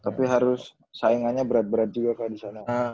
tapi harus saingannya berat berat juga kayak di sana